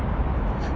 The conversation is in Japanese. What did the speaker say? あっ。